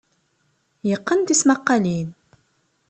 Yeqqen tismaqqalin.